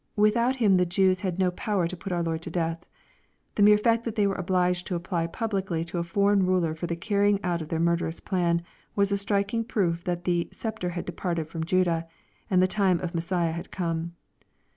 Without him the Jews had no power to put our Lord to death. The mere fact that they were obliged to apply pubHoly to a foreign ruler for the carrying out their murderous plan, was a striking proof that the " sceptre had departed from Judah," and the time of Messiah had come.